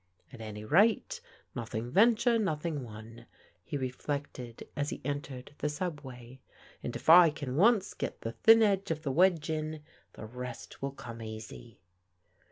" At any rate, nothing venture, nothing won," he re flected as he entered the subway, " and if I can once get the thin edge of the wedge in, the rest will come easy."